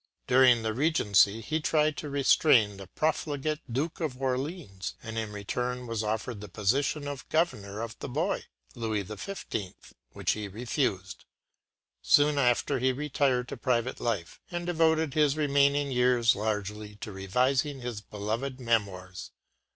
During the Regency, he tried to restrain the profligate Duke of Orleans, and in return was offered the position of governor of the boy, Louis XV., which he refused. Soon after, he retired to private life, and devoted his remaining years largely to revising his beloved “Memoirs.